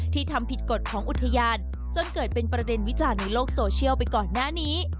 ทำผิดกฎของอุทยานจนเกิดเป็นประเด็นวิจารณ์ในโลกโซเชียลไปก่อนหน้านี้